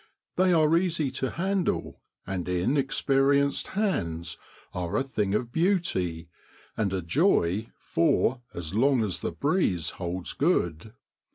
They are easy to handle, and in experienced hands are a thing of beauty and a joy for as long as the breeze holds good.